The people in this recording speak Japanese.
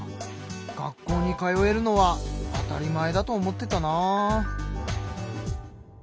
学校に通えるのは当たり前だと思ってたな。